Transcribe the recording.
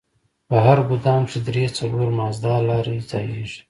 په هر ګودام کښې درې څلور مازدا لارۍ ځايېږي.